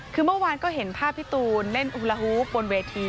คือเมื่อวานก็เห็นภาพพี่ตูนเล่นอุละฮูฟบนเวที